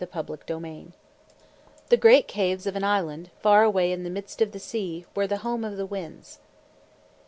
THE BAG OF WINDS The great caves of an island, far away in the midst of the sea, were the home of the Winds.